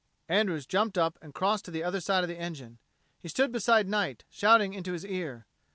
Andrews jumped up and crossed to the other side of the engine. He stood beside Knight, shouting into his ear.